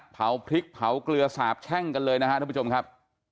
เผาพริกเผาเกลือสาบแช่งกันเลยนะครับท่านผู้ชมครับ